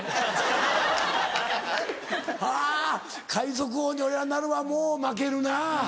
はぁ「海賊王に俺はなる」はもう負けるな。